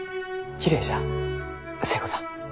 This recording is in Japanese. きれいじゃ寿恵子さん。